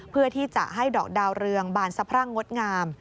เพื่อที่จะให้ดอกดาวเรืองบานสะพรั่งงดงาม